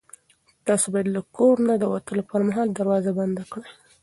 تاسو باید له کور نه د وتلو پر مهال دروازه بنده کړئ.